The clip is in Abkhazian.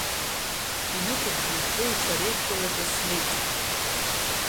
Инықәыршәны ашәҟәыҩҩцәа Реидгылаҿы снеит.